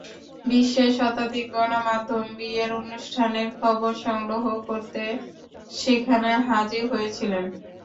বিশ্বের শতাধিক গণমাধ্যম বিয়ের অনুষ্ঠানের খবর সংগ্রহ করতে সেখানে হাজির হয়েছিলেন।